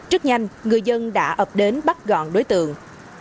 rất nhanh người dân đã ập đến bắt gọn đối tượng